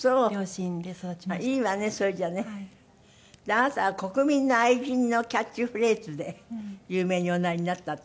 あなたは「国民の愛人」のキャッチフレーズで有名におなりになったと。